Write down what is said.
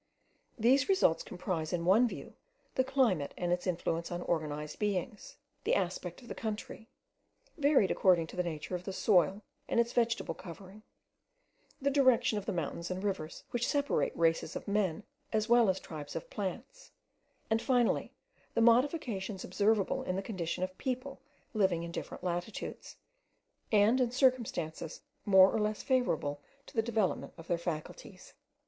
These results comprise in one view the climate and its influence on organized beings, the aspect of the country, varied according to the nature of the soil and its vegetable covering, the direction of the mountains and rivers which separate races of men as well as tribes of plants; and finally, the modifications observable in the condition of people living in different latitudes, and in circumstances more or less favourable to the development of their faculties.